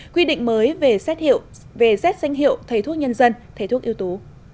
quy định mới về xét danh hiệu thầy thuốc nhân dân thầy thuốc yếu tố